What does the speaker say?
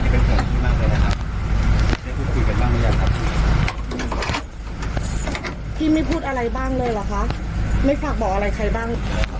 พี่ไม่พูดอะไรบ้างเลยเหรอคะไม่ฝากบอกอะไรใครบ้าง